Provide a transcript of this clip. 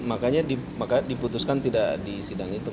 makanya diputuskan tidak di sidang itu